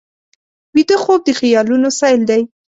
ویده خوب د خیالونو سیل دی